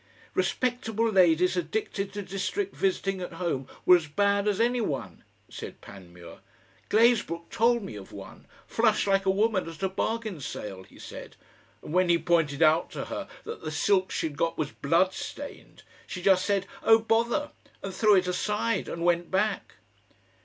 "Respectable ladies addicted to district visiting at home were as bad as any one," said Panmure. "Glazebrook told me of one flushed like a woman at a bargain sale, he said and when he pointed out to her that the silk she'd got was bloodstained, she just said, 'Oh, bother!' and threw it aside and went back...."